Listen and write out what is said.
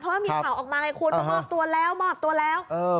เพราะว่ามีข่าวออกมาไงคุณมอบตัวแล้วมอบตัวแล้ว